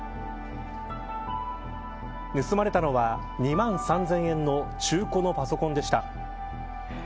盗まれたのは、２万３０００円の中古のパソコンでした。